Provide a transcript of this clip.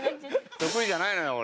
得意じゃないのよ俺。